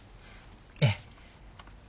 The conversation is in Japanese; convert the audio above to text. ええ。